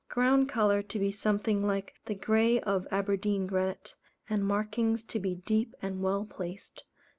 Ground colour to be something like the grey of Aberdeen granite, and markings to be deep and well placed.